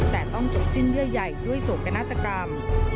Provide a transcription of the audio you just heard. แต่ต้องจบจิ้นเยื่อใหญ่ด้วยส่วนกระนักกรรม